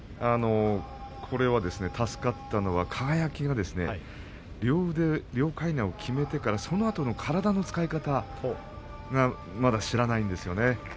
助かったのは輝が両かいなをきめてからそのあとの体の使い方をまだ知らないんですよね。